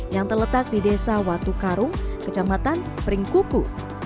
yang terletak di desa watu karung kecamatan pringkuku